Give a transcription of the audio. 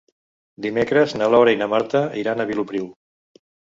Dimecres na Laura i na Marta iran a Vilopriu.